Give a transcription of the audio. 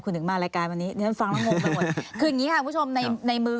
คืออย่างงี้ค่ะคุณผู้ชมในมือ